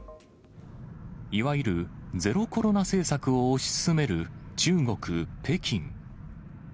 いわゆるゼロコロナ政策を推し進める中国・北京。